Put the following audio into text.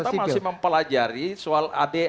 kita masih mempelajari soal ada